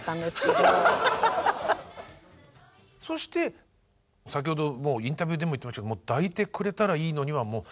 そして先ほどインタビューでも言ってましたけど「抱いてくれたらいいのに」は何が何でも歌いたいと。